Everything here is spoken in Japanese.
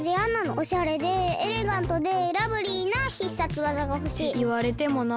おしゃれでエレガントでラブリーな必殺技がほしい。っていわれてもな。